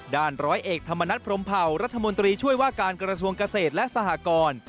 ร้อยเอกธรรมนัฐพรมเผารัฐมนตรีช่วยว่าการกระทรวงเกษตรและสหกร